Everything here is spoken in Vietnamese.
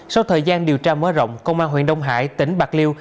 sau thời gian điều tra mở rộng công an huyện đông hải tỉnh bạc liêu